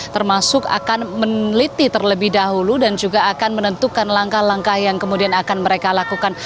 termasuk akan meneliti terlebih dahulu dan juga akan menentukan langkah langkah yang kemudian akan mereka lakukan